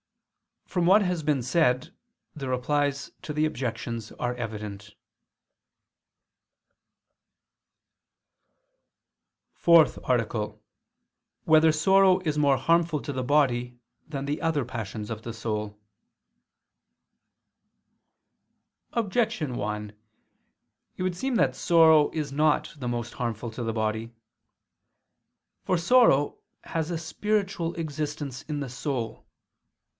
From what has been said the replies to the objections are evident. ________________________ FOURTH ARTICLE [I II, Q. 37, Art. 4] Whether Sorrow Is More Harmful to the Body Than the Other Passions of the Soul? Objection 1: It would seem that sorrow is not most harmful to the body. For sorrow has a spiritual existence in the soul.